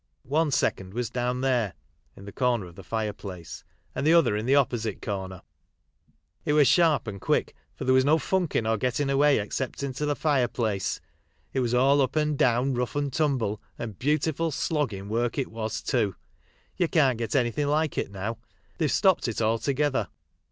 One second was down there (in the corner of the fire place), and the other in the opposite corner. It was sharp and quick, for there was no f unkin' or gettin* away except into the fire place. It was all up and down, rough and tumble, and beautiful sloggino work it was, too. You can't get anythin* like it now ; they've stopped it altogether.